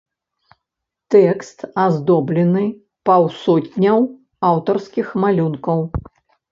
Тэкст аздоблены паўсотняў аўтарскіх малюнкаў.